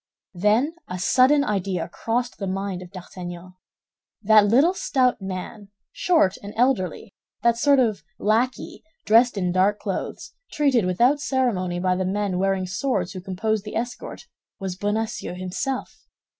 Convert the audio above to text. Then a sudden idea crossed the mind of D'Artagnan. That little stout man, short and elderly, that sort of lackey, dressed in dark clothes, treated without ceremony by the men wearing swords who composed the escort, was Bonacieux himself.